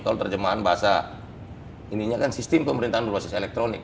kalau terjemahan bahasa ininya kan sistem pemerintahan berbasis elektronik